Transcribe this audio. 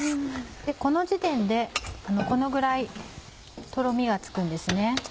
この時点でこのぐらいとろみがつくんですね。